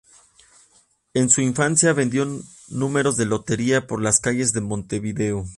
En su infancia vendió números de lotería por las calles de Montevideo.